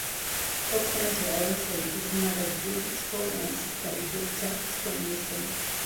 Hope cemetery alongside his mother Jeanne Stone and sister Egypta Stone Wilson.